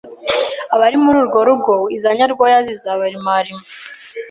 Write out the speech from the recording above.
Abari muri urwo rugo iza Nyarwaya zirabarimarima